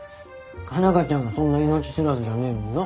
佳奈花ちゃんはそんな命知らずじゃねえもんな。